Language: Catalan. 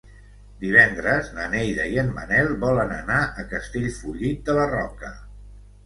Divendres na Neida i en Manel volen anar a Castellfollit de la Roca.